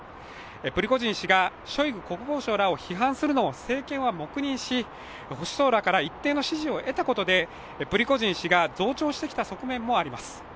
プリゴジン氏がショイグ国防相らを批判するのを、政権は黙認し保守層から一定の支持を得たことでプリゴジン氏が増長してきた側面もあります。